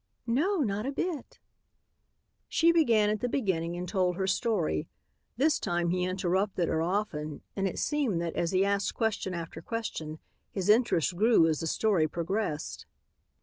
"No, not a bit." She began at the beginning and told her story. This time he interrupted her often and it seemed that, as he asked question after question, his interest grew as the story progressed.